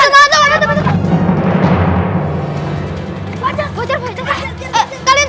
yang lain lanjutin